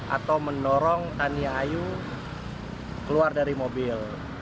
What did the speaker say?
atau mendorong tania ayu keluar dari mobil